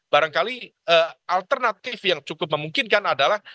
barangkali alternatif yang cukup memungkinkan adalah